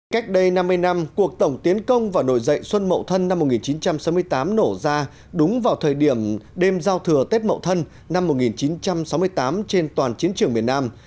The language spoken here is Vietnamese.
cách đây năm mươi năm cuộc tổng tiến công và nổi dậy xuân mậu thân năm một nghìn chín trăm sáu mươi tám nổ ra đúng vào thời điểm đêm giao thừa tết mậu thân năm một nghìn chín trăm sáu mươi tám trên toàn chiến trường miền nam